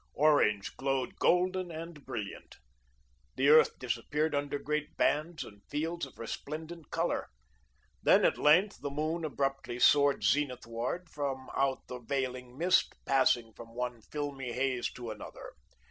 Orange glowed golden and brilliant. The earth disappeared under great bands and fields of resplendent colour. Then, at length, the moon abruptly soared zenithward from out the veiling mist, passing from one filmy haze to another.